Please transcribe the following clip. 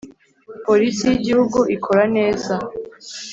Polisi y’Igihugu ikora neza